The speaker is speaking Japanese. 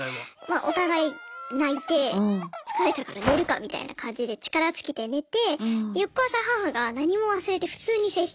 まあお互い泣いて疲れたから寝るかみたいな感じで力尽きて寝て翌朝母が何も忘れて普通に接してきたんですよ。